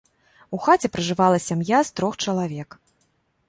У хаце пражывала сям'я з трох чалавек.